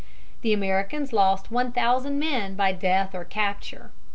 The Americans lost one thousand men by death or capture.